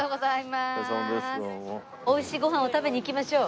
美味しいご飯を食べに行きましょう。